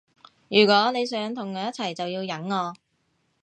如果你想同我一齊就要忍我